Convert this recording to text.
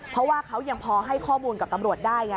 เพราะว่าเขายังพอให้ข้อมูลกับตำรวจได้ไง